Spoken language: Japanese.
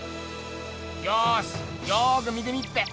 よしよく見てみっぺ！